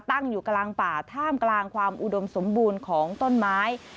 ตั้งอยู่กลางป่าท่ามกลางความอุดมสมบูรณ์ของต้นไม้